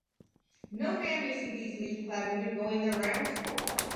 No man may see these leaf-clad women going their rounds.